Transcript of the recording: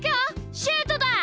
シュートだ！